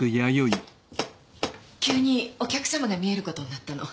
急にお客様がみえることになったの。